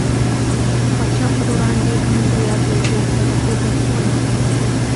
پاچا پر وړاندې یې هم د یادو دوو طبقو ګټې خوندي کولې.